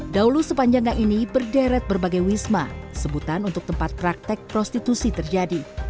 daulu sepanjangnya ini berderet berbagai wisma sebutan untuk tempat praktek prostitusi terjadi